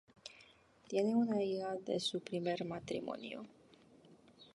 Tiene una hija de su primer matrimonio.